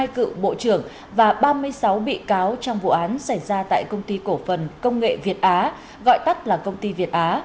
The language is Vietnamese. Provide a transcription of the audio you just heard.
hai cựu bộ trưởng và ba mươi sáu bị cáo trong vụ án xảy ra tại công ty cổ phần công nghệ việt á gọi tắt là công ty việt á